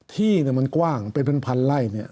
ที่มันกว้างเป็นพันไล่เนี่ย